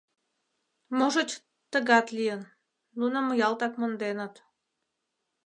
Можыч, тыгат лийын: нуным ялтак монденыт.